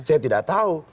saya tidak tahu